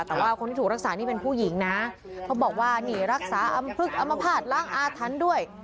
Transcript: แต่ว่าคนที่ถูกรักษานี่เป็นผู้หญิงนะเขาบอกว่านี่รักษาอำพลึกอำมภาษล้างอาถรรพ์ด้วย